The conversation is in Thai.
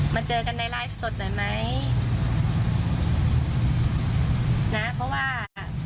เจอกันในไลฟ์สดหน่อยไหมนะเพราะว่า